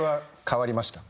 変わりました。